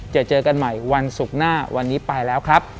เจอเจอกันใหม่วันศุกร์หน้าวันนี้ไปแล้วครับ